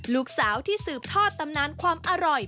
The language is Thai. ลูกสาวที่สืบทอดตำนานความอร่อย